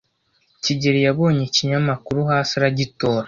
kigeli yabonye ikinyamakuru hasi aragitora.